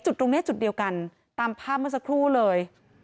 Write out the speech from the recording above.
จุดตรงนี้จุดเดียวกันตามภาพเมื่อสักครู่เลย